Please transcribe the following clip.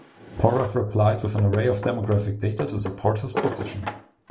Porath replied with an array of demographic data to support his position.